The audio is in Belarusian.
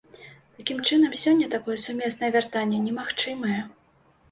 Такім чынам, сёння такое сумеснае вяртанне немагчымае.